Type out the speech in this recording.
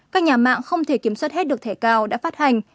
các nhà mạng không thể kiểm soát hết được thẻ cao đã phát hành